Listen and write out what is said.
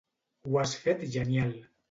Ho has fet genial.